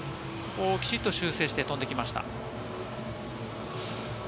きちんと修正して飛んできました。